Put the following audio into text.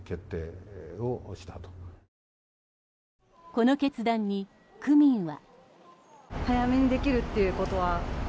この決断に区民は。